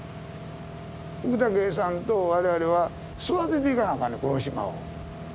福武さんと我々は育てていかなあかんねんこの島を。